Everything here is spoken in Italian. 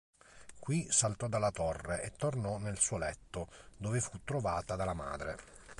Qui saltò dalla torre e tornò nel suo letto, dove fu trovata dalla madre.